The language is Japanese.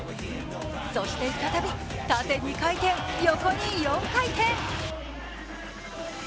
そして再び、縦２回転横に４回転。